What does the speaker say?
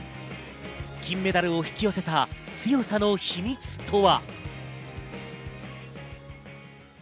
金メダルを引き寄せた強さの秘密とは？